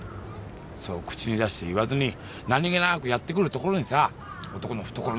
そう口に出して言わずに何気なくやって来るところに男の懐の深さを感じるだろ？